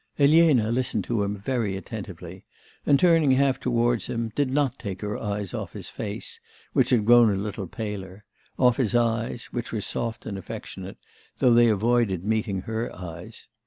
Elena listened to him very attentively, and turning half towards him, did not take her eyes off his face, which had grown a little paler off his eyes, which were soft and affectionate, though they avoided meeting her eyes.